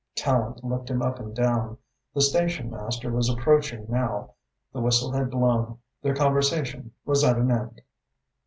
Tallente looked him up and down. The station master was approaching now, the whistle had blown, their conversation was at an end.